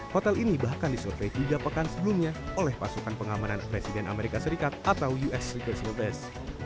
hotel ini bahkan disurvey tiga pekan sebelumnya oleh pasukan pengamanan presiden amerika serikat atau us retail silvice